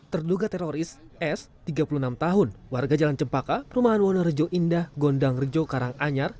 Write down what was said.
terduga teroris s tiga puluh enam tahun warga jalan cempaka perumahan wonorejo indah gondang rejo karanganyar